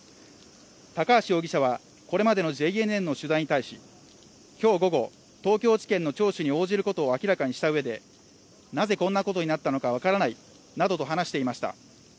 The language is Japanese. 高橋容疑者はこれまでのＪＮＮの取材に対し今日午後、東京地検の聴取に応じることを明らかにしたうえでなぜこんなことになったのか分からないなどと話していました。